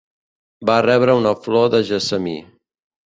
Va rebre una flor de gessamí.